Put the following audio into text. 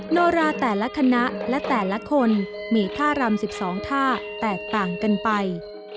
โนราแต่ละคณะและแต่ละคนมีท่ารำ๑๒ท่าแตกต่างกันไป